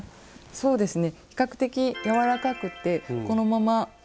そうですね。